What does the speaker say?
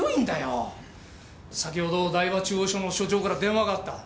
先ほど台場中央署の署長から電話があった。